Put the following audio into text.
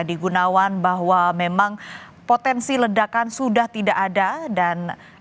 jadi memang sampai saat ini potensi untuk keledakan sudah tidak ada lagi